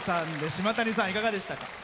島谷さん、いかがでしたか。